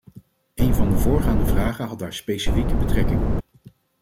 Een van de voorgaande vragen had daar specifiek betrekking op.